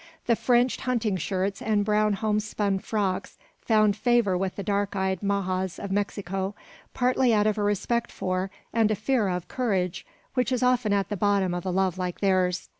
The fringed hunting shirts and brown homespun frocks found favour with the dark eyed majas of Mexico, partly out of a respect for, and a fear of, courage, which is often at the bottom of a love like theirs.